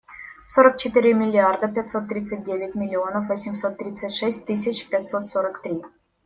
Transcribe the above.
Сорок четыре миллиарда пятьсот тридцать девять миллионов восемьсот тридцать шесть тысяч пятьсот сорок три.